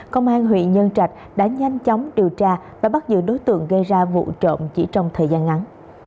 công an huyện nhân trạch đã nhanh chóng điều tra và bắt giữ đối tượng gây ra vụ trộm chỉ trong thời gian ngắn